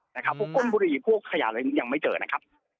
พวกก้นบุรีพวกขยะอะไรนี้ยังไม่เจอนะครับ